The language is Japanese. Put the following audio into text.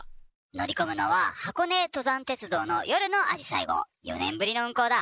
乗り込むのは箱根登山鉄道の夜のあじさい号、４年ぶりの運行だ。